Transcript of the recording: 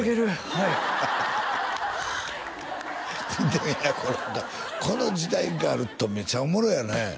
はいはいこの時代があるとめっちゃおもろいよね